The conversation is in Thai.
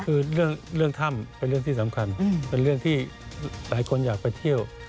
คือเรื่องถ้ำเป็นเรื่องที่สำคัญเป็นเรื่องที่หลายคนอยากไปเที่ยว